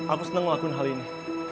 aku senang ngelakuin hal ini